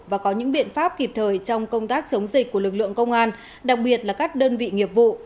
và có những biện pháp kịp thời trong công tác chống dịch của lực lượng công an đặc biệt là các đơn vị nghiệp vụ